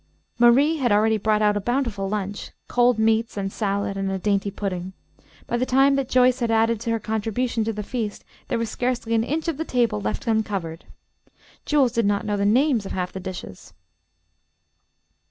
Marie had already brought out a bountiful lunch, cold meats and salad and a dainty pudding. By the time that Joyce had added her contribution to the feast, there was scarcely an inch of the table left uncovered. Jules did not know the names of half the dishes.